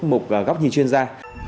một góc nhìn chuyên gia